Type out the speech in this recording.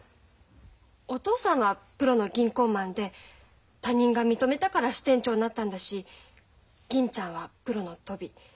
お父さんはプロの銀行マンで他人が認めたから支店長になったんだし銀ちゃんはプロのトビ。